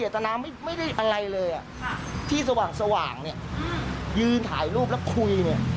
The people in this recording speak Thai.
ที่สว่างยืนถ่ายรูปแล้วคุย